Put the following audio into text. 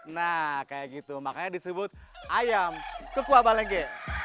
nah kayak gitu makanya disebut ayam kukuak balenge